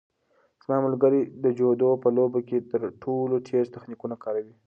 زما ملګری د جودو په لوبه کې تر ټولو تېز تخنیکونه کاروي.